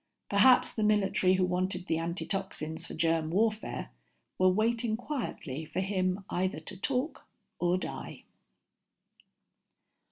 Perhaps the military who wanted the antitoxins for germ warfare were waiting quietly for him either to talk or die.